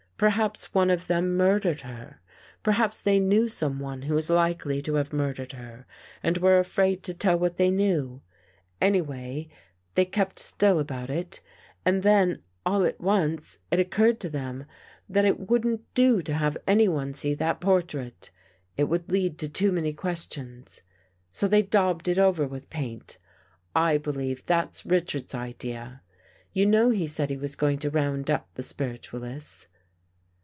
Perhaps one of them mur dered her; perhaps they knew someone who is likely to have murdered her and were afraid to tell what they knew. Anyway, they kept still about it. And then, all at once, it occurred to them that it wouldn't lOI THE GHOST GIRL do to have anyone see that portrait — it would lead to too many questions — so they daubed it over with paint. I believe that's Richards's idea. You know he said he was going to round up the spiritual ists."